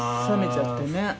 冷めちゃってね。